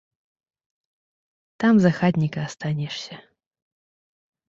Там за хатніка астанешся.